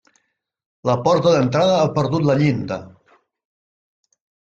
La porta d'entrada ha perdut la llinda.